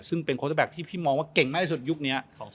ซึ่งเป็นโค้เตอร์แก๊กที่พี่มองว่าเก่งมากที่สุดยุคนี้